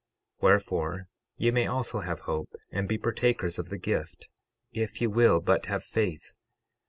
12:9 Wherefore, ye may also have hope, and be partakers of the gift, if ye will but have faith.